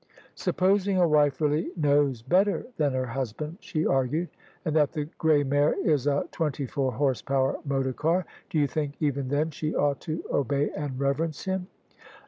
" Supposing a wife really knows better than her husband," she argued, " and that the grey mare is a twenty four horse power motor car; do you think even then she ought to obey and reverence him